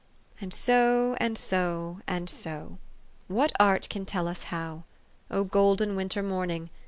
" And so, and so, and so what art can tell us how ? O golden winter morning